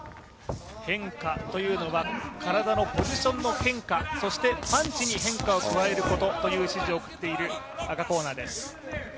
変化というのは体のポジションの変化、そしてパンチに変化を加えることという指示を送っている赤コーナーです。